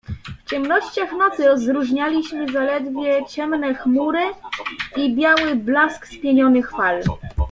"W ciemnościach nocy rozróżnialiśmy zaledwie ciemne chmury i biały blask spienionych fal."